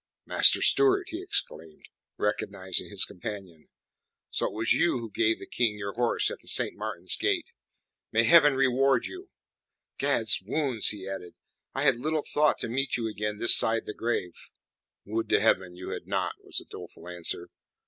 "Master Stewart!" he exclaimed, recognizing his companion. "So it was you gave the King your horse at the Saint Martin's Gate! May Heaven reward you. Gadswounds," he added, "I had little thought to meet you again this side the grave." "Would to Heaven you had not!" was the doleful answer.